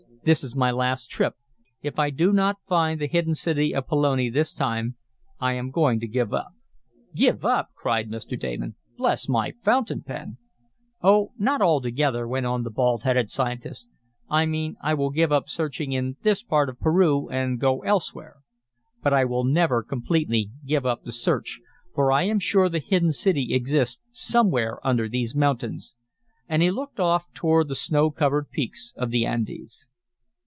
This is my last trip. If I do not find the hidden city of Pelone this time, I am going to give up." "Give up!" cried Mr. Damon. "Bless my fountain pen!" "Oh, not altogether," went on the bald headed scientist. "I mean I will give up searching in this part of Peru, and go elsewhere. But I will never completely give up the search, for I am sure the hidden city exists somewhere under these mountains," and he looked off toward the snow covered peaks of the Andes.